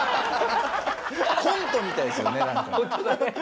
コントみたいですよねなんか。